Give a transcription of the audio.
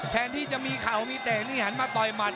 แทนที่จะมีเข่ามีเตะนี่หันมาต่อยหมัด